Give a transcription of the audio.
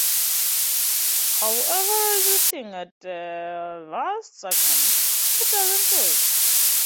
However, resisting at the last second, he doesn't do it.